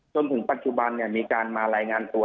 จนถึงปัจจุบันมีการมารายงานตัว